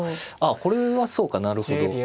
これはそうかなるほど。